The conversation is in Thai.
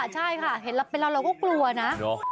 ใช่ค่ะเห็นแล้วเราก็กลัวนะ